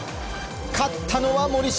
勝ったのは、森重。